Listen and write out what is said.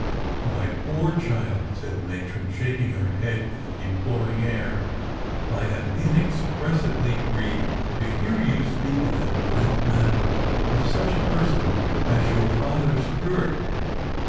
" My poor child," said the matron, shaking her head with a deploring air, " I am inexpressibly grieved to hear you speak in that wild manner of such a person as your father's curate.